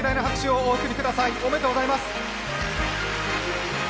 おめでとうございます。